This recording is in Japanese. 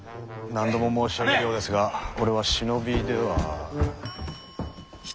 何度も申し上げるようですが俺は忍びでは。